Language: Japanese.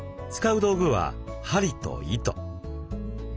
使う道具は針と糸。